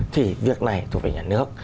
thì việc này thuộc về nhà nước